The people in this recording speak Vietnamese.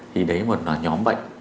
thì đấy là một nhóm bệnh